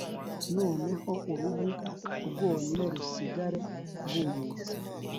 noneho uruhu rwonyine rusigare rwumutse